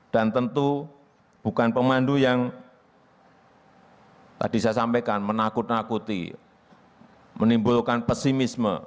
dan tentu bukan pemandu yang tadi saya sampaikan menakut nakuti menimbulkan pesimisme